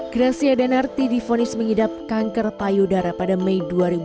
gracia denarti difonis mengidap kanker payudara pada mei dua ribu dua puluh